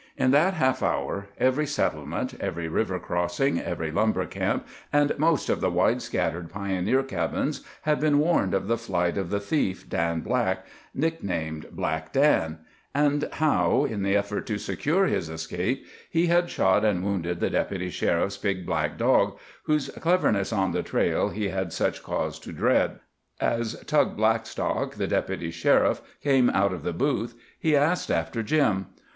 In that half hour every settlement, every river crossing, every lumber camp, and most of the wide scattered pioneer cabins had been warned of the flight of the thief, Dan Black, nicknamed Black Dan, and how, in the effort to secure his escape, he had shot and wounded the Deputy Sheriff's big black dog whose cleverness on the trail he had such cause to dread. As Tug Blackstock, the Deputy Sheriff, came out of the booth he asked after Jim.